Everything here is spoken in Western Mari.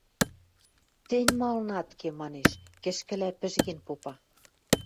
– Тӹнь малын ат ке? – манеш, кӹшкӹлӓ пӹжген попа.